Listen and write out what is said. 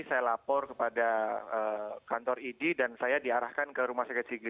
saya lapor kepada kantor idi dan saya diarahkan ke rumah sakit sigli